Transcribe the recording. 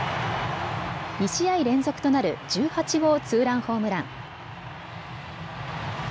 ２試合連続となる１８号ツーランホームラン。